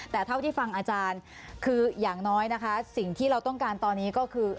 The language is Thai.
แต่เท่าที่ฟังอาจารย์คืออย่างน้อยนะคะสิ่งที่เราต้องการตอนนี้ก็คือ